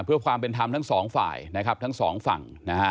เพื่อความเป็นธรรมทั้งสองฝ่ายทั้งสองฝั่ง